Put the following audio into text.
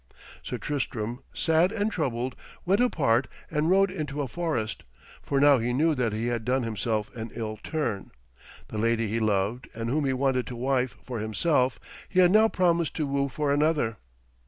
Sir Tristram, sad and troubled, went apart, and rode into a forest, for now he knew that he had done himself an ill turn. The lady he loved and whom he wanted to wife for himself he had now promised to woo for another.